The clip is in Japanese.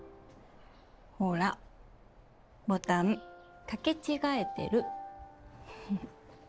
ほらボタン掛け違えてる。